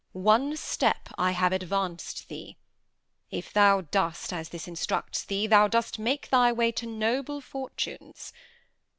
One step I have advanc'd thee. If thou dost As this instructs thee, thou dost make thy way To noble fortunes.